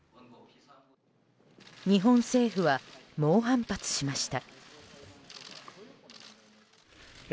日本政府は猛反発しました。